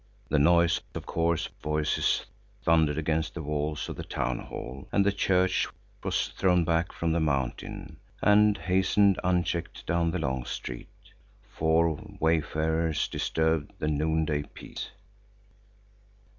The noise of coarse voices thundered against the walls of the town hall and the church was thrown back from the mountain, and hastened unchecked down the long street. Four wayfarers disturbed the noonday peace.